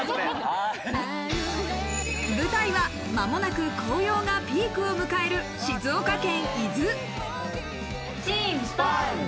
舞台は、間もなく紅葉がピークを迎える静岡県伊豆。